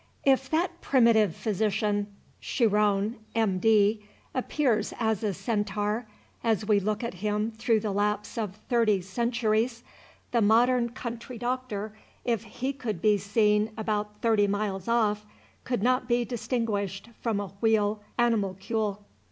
If that primitive physician, Chiron, M. D., appears as a Centaur, as we look at him through the lapse of thirty centuries, the modern country doctor, if he could be seen about thirty miles off, could not be distinguished from a wheel animalcule.